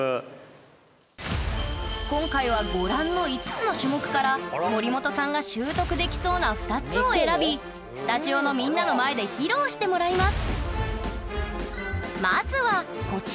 今回はご覧の５つの種目から森本さんが習得できそうな２つを選びスタジオのみんなの前で披露してもらいます！